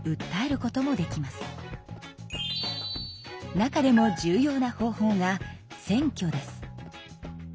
中でも重要な方法が選挙です。